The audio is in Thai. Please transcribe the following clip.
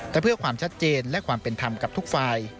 แต่เพื่อความชัดเจนและความเป็นธรรมกับทุกฝ่าย